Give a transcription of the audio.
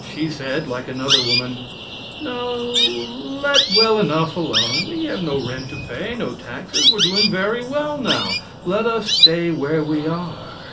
She said, like another woman: "No, let well enough alone; we have no rent to pay, and no taxes; we are doing very well now, let us stay where we are."